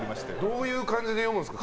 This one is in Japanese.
どういう感じで読むんですか？